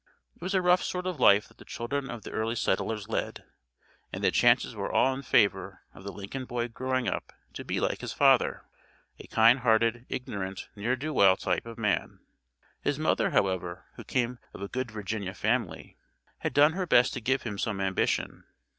It was a rough sort of life that the children of the early settlers led, and the chances were all in favor of the Lincoln boy growing up to be like his father, a kind hearted, ignorant, ne'er do well type of man. His mother, however, who came of a good Virginia family, had done her best to give him some ambition.